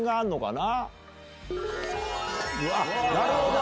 なるほど！